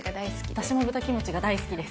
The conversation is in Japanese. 私も豚キムチが大好きです。